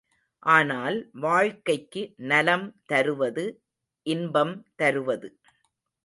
ஆனால் வாழ்க்கைக்கு நலம் தருவது இன்பம் தருவது.